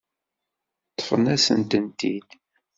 Ṭṭfen-asen-tent-id.